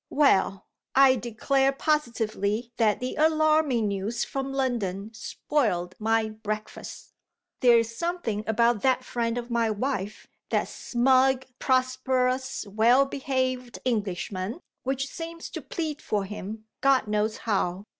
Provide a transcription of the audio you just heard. Well! I declare positively that the alarming news from London spoilt my breakfast. There is something about that friend of my wife that smug, prosperous, well behaved Englishman which seems to plead for him (God knows how!)